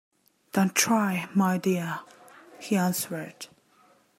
"Don't try, my dear," he answered.